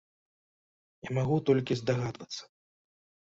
Я магу толькі здагадвацца.